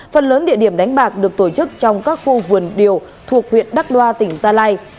phần lớn địa điểm đánh bạc được tổ chức trong các khu vườn điều thuộc huyện đắc đoa tỉnh gia lai